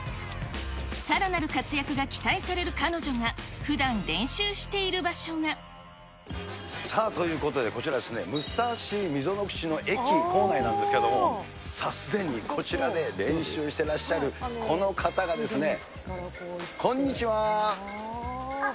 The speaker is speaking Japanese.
さらなる活躍が期待される彼女が、さあ、ということでこちらですね、武蔵溝ノ口の駅構内なんですけども、すでにこちらで練習してらっしゃる、この方がですね、こんにちは。